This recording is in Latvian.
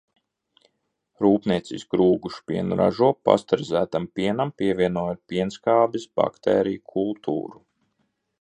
Rūpnieciski rūgušpienu ražo, pasterizētam pienam pievienojot pienskābes baktēriju kultūru.